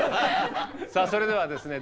さあそれではですね